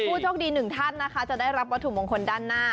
ผู้โชคดีหนึ่งท่านนะคะจะได้รับวัตถุมงคลด้านหน้า